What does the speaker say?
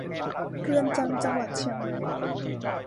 เรือนจำจังหวัดเชียงใหม่